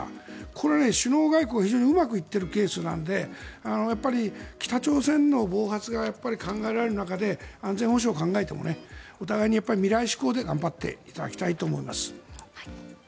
これは首脳外交が非常にうまくいってるケースなのでやっぱり北朝鮮の暴発が考えられる中で安全保障を考えてもお互いに未来志向で頑張っていただきたいと思います。